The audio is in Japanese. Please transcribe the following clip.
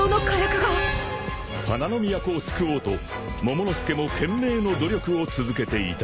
［花の都を救おうとモモの助も懸命の努力を続けていた］